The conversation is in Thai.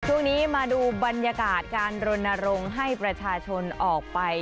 ช่วงนี้มาดูบรรยากาศการรณรงค์ให้ประชาชนออกไป